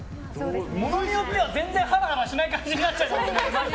ものによっては、全然ハラハラしない感じになりそう。